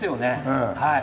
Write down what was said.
はい。